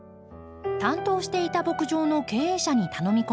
担当していた牧場の経営者に頼み込み